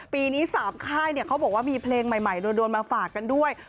ปีนี้๓ค่ายเขาบอกว่ามีเพลงใหม่โดนมาฝากกันด้วย